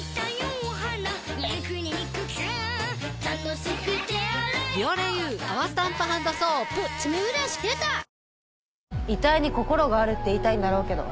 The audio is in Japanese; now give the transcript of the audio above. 「ほんだし」で遺体に心があるって言いたいんだろうけど